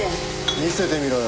見せてみろよ。